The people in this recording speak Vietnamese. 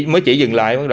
mới chỉ dừng lại